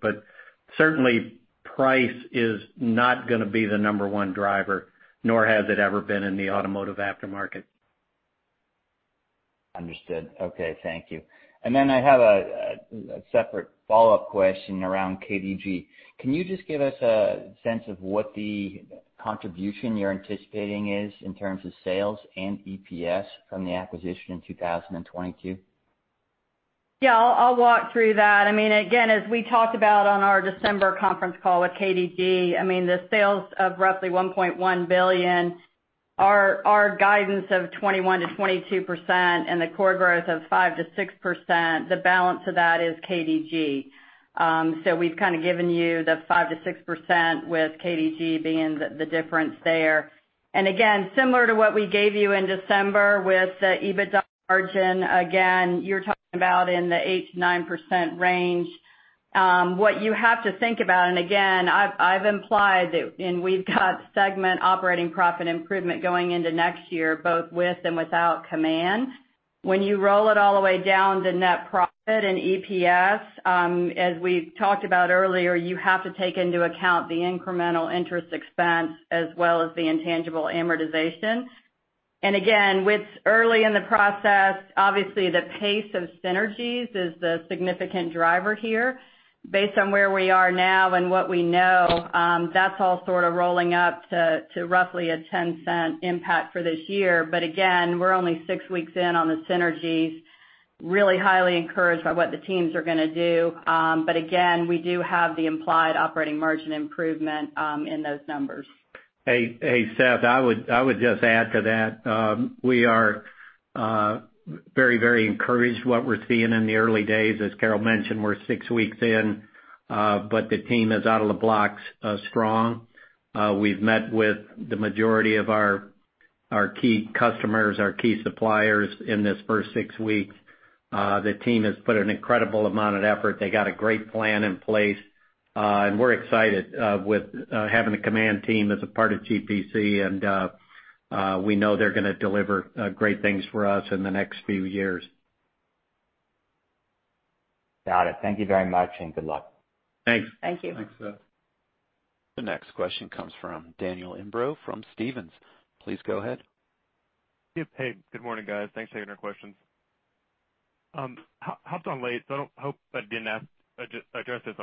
Certainly, price is not gonna be the number one driver, nor has it ever been in the automotive aftermarket. Understood. Okay, thank you. I have a separate follow-up question around KDG. Can you just give us a sense of what the contribution you're anticipating is in terms of sales and EPS from the acquisition in 2022? Yeah, I'll walk through that. I mean, again, as we talked about on our December conference call with KDG, I mean, the sales of roughly $1.1 billion, our guidance of 21%-22% and the core growth of 5%-6%, the balance of that is KDG. So we've kind of given you the 5%-6% with KDG being the difference there. Again, similar to what we gave you in December with the EBITDA margin, again, you're talking about in the 8%-9% range. What you have to think about, again, I've implied that, we've got segment operating profit improvement going into next year, both with and without Kaman. When you roll it all the way down to net profit and EPS, as we talked about earlier, you have to take into account the incremental interest expense as well as the intangible amortization. Again, we're early in the process, obviously the pace of synergies is the significant driver here. Based on where we are now and what we know, that's all sort of rolling up to roughly a $0.10 impact for this year. Again, we're only six weeks in on the synergies. We're really highly encouraged by what the teams are gonna do. Again, we do have the implied operating margin improvement in those numbers. Hey, Seth, I would just add to that. We are very, very encouraged what we're seeing in the early days. As Carol mentioned, we're six weeks in, but the team is out of the blocks strong. We've met with the majority of our key customers, our key suppliers in this first six weeks. The team has put an incredible amount of effort. They got a great plan in place, and we're excited with having the Kaman team as a part of GPC. We know they're gonna deliver great things for us in the next few years. Got it. Thank you very much, and good luck. Thanks. Thank you. Thanks, Seth. The next question comes from Daniel Imbro from Stephens. Please go ahead. Yep. Hey, good morning, guys. Thanks for taking our questions. Hopped on late, so I hope I didn't already address this.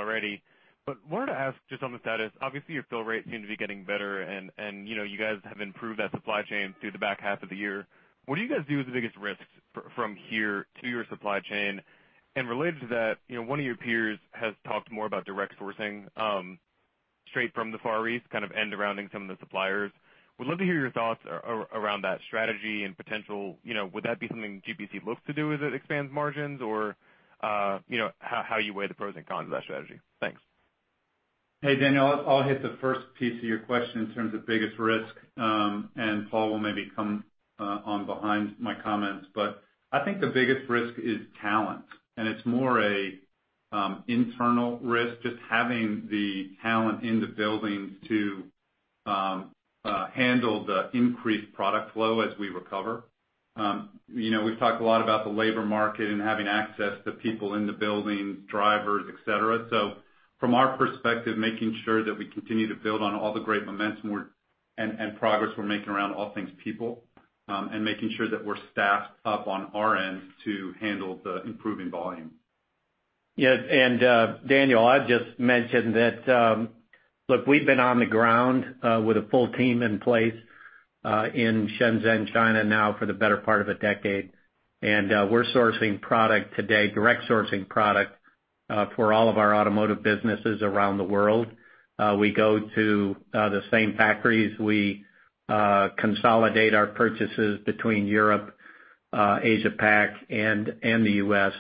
Wanted to ask just on the status, obviously, your fill rate seems to be getting better and you know, you guys have improved that supply chain through the back-half of the year. What do you guys view as the biggest risks from here to your supply chain? And related to that, you know, one of your peers has talked more about direct sourcing. Straight from the Far East, kind of end-running some of the suppliers. Would love to hear your thoughts around that strategy and potential, you know, would that be something GPC looks to do as it expands margins? Or, you know, how you weigh the pros and cons of that strategy. Thanks. Hey, Daniel, I'll hit the first piece of your question in terms of biggest risk, and Paul will maybe come on behind my comments. I think the biggest risk is talent, and it's more of an internal risk, just having the talent in the buildings to handle the increased product flow as we recover. You know, we've talked a lot about the labor market and having access to people in the buildings, drivers, et cetera. From our perspective, making sure that we continue to build on all the great momentum and progress we're making around all things people, and making sure that we're staffed up on our end to handle the improving volume. Yes, Daniel, I'd just mention that, look, we've been on the ground with a full team in place in Shenzhen, China now for the better part of a decade. We're sourcing product today, direct sourcing product for all of our automotive businesses around the world. We go to the same factories. We consolidate our purchases between Europe, Asia Pac, and the U.S.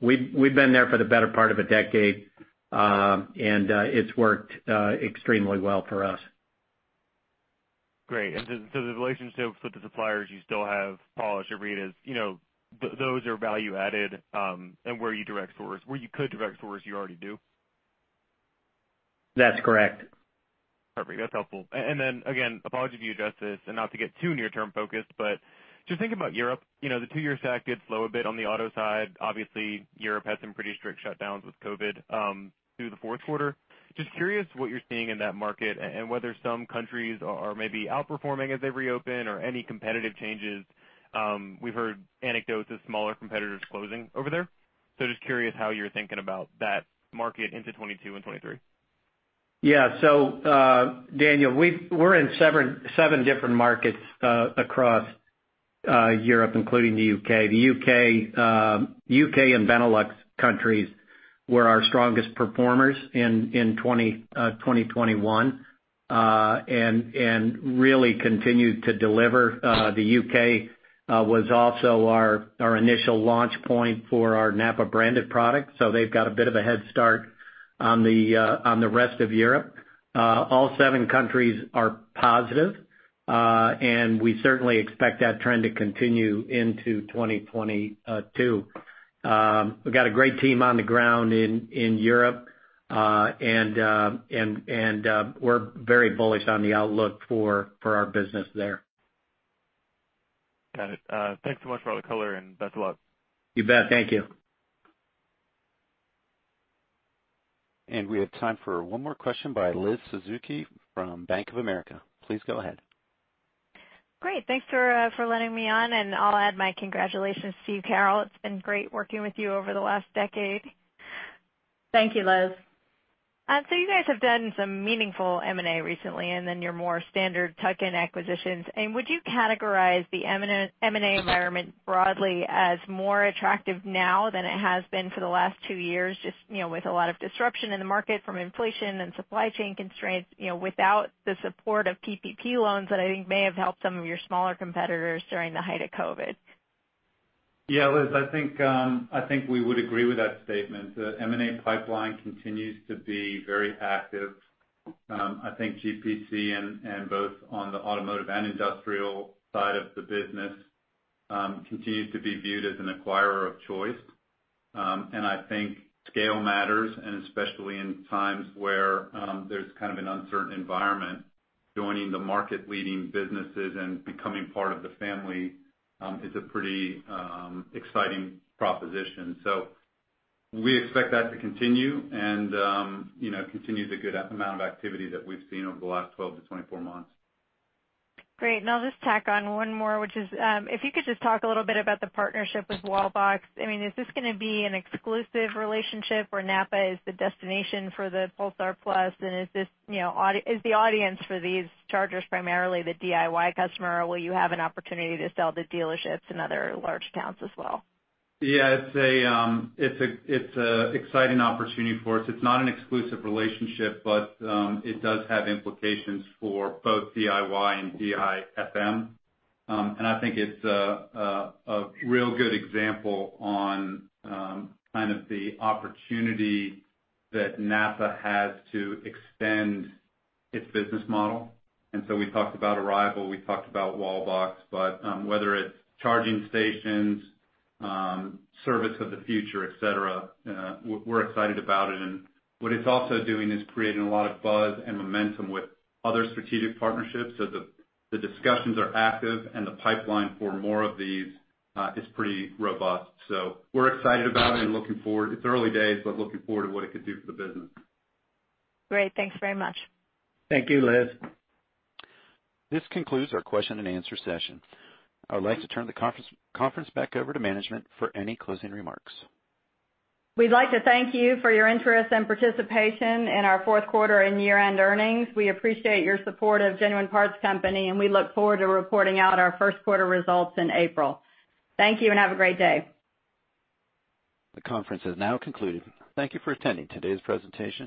We've been there for the better part of a decade, and it's worked extremely well for us. Great. The relationships with the suppliers you still have, Paul. I should read as, you know, those are value added, and where you could direct source, you already do? That's correct. Perfect. That's helpful. Then again, apologies you addressed this, and not to get too near-term focused, but just thinking about Europe, you know, the two-year stack did slow a bit on the auto side. Obviously, Europe had some pretty strict shutdowns with COVID through the fourth quarter. Just curious what you're seeing in that market and whether some countries are maybe outperforming as they reopen or any competitive changes. We've heard anecdotes of smaller competitors closing over there. Just curious how you're thinking about that market into 2022 and 2023. Yeah, Daniel, we're in seven different markets across Europe, including the U.K. The U.K. and Benelux countries were our strongest performers in 2021 and really continued to deliver. The U.K. was also our initial launch point for our NAPA-branded product, so they've got a bit of a head start on the rest of Europe. All seven countries are positive, and we certainly expect that trend to continue into 2022. We've got a great team on the ground in Europe, and we're very bullish on the outlook for our business there. Got it. Thanks so much for all the color and best of luck. You bet. Thank you. We have time for one more question by Liz Suzuki from Bank of America. Please go ahead. Great. Thanks for letting me on, and I'll add my congratulations to you, Carol. It's been great working with you over the last decade. Thank you, Liz. You guys have done some meaningful M&A recently, and then your more standard tuck-in acquisitions. Would you categorize the M&A environment broadly as more attractive now than it has been for the last two years, just, you know, with a lot of disruption in the market from inflation and supply chain constraints, you know, without the support of PPP loans that I think may have helped some of your smaller competitors during the height of COVID? Yeah, Liz, I think we would agree with that statement. The M&A pipeline continues to be very active. I think GPC and both on the automotive and industrial side of the business continues to be viewed as an acquirer of choice. I think scale matters, and especially in times where there's kind of an uncertain environment. Joining the market-leading businesses and becoming part of the family is a pretty exciting proposition. We expect that to continue and you know continue the good amount of activity that we've seen over the last 12 to 24 months. Great. I'll just tack on one more, which is, if you could just talk a little bit about the partnership with Wallbox. I mean, is this gonna be an exclusive relationship where NAPA is the destination for the Pulsar Plus? Is this, you know, is the audience for these chargers primarily the DIY customer, or will you have an opportunity to sell to dealerships and other large accounts as well? Yeah, it's an exciting opportunity for us. It's not an exclusive relationship, but it does have implications for both DIY and DIFM. I think it's a real good example of kind of the opportunity that NAPA has to extend its business model. We talked about Arrival, we talked about Wallbox. Whether it's charging stations, service of the future, et cetera, we're excited about it. What it's also doing is creating a lot of buzz and momentum with other strategic partnerships. The discussions are active and the pipeline for more of these is pretty robust. We're excited about it and looking forward. It's early days, but looking forward to what it could do for the business. Great. Thanks very much. Thank you, Liz. This concludes our question and answer session. I would like to turn the conference back over to management for any closing remarks. We'd like to thank you for your interest and participation in our fourth quarter and year-end earnings. We appreciate your support of Genuine Parts Company, and we look forward to reporting out our first quarter results in April. Thank you, and have a great day. The conference has now concluded. Thank you for attending today's presentation.